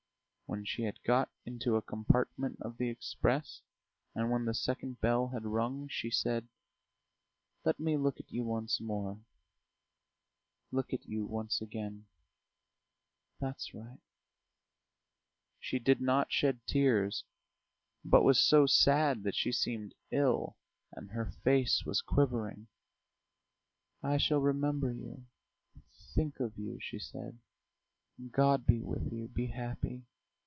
When she had got into a compartment of the express, and when the second bell had rung, she said: "Let me look at you once more ... look at you once again. That's right." She did not shed tears, but was so sad that she seemed ill, and her face was quivering. "I shall remember you ... think of you," she said. "God be with you; be happy.